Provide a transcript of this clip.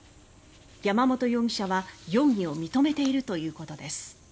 山本容疑者は容疑を認めているということです。